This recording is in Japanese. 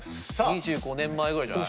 ２５年前ぐらいじゃない？